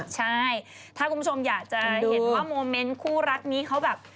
ใช่ถ้าคุณผู้ชมอยากจะเห็นว่าโมเมนต์คู่รักนี้เขาแบบ